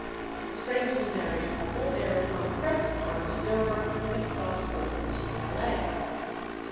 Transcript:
The strangely married couple thereupon pressed on to Dover, and crossed over to Calais.